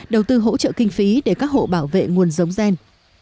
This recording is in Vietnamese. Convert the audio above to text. đầu tư hỗ trợ kinh phí để các hộ bảo vệ nguồn giống gen